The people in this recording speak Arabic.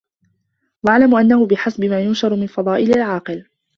وَاعْلَمْ أَنَّهُ بِحَسَبِ مَا يُنْشَرُ مِنْ فَضَائِلِ الْعَاقِلِ